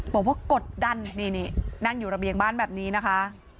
กดดันนี่นั่งอยู่ระเบียงบ้านแบบนี้นะคะ